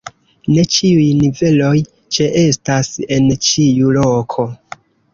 Ne ĉiuj niveloj ĉeestas en ĉiu loko.